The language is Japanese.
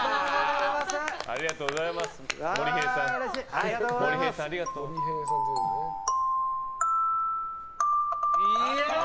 ありがとうございます。